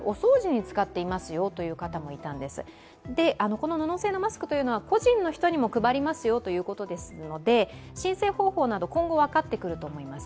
この布製のマスクは個人にも配りますよということですので申請方法など今後、分かってくると思います。